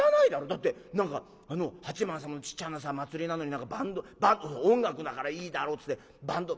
だって何かあの八幡様のちっちゃなさ祭りなのにバンド音楽だからいいだろうつってバンド。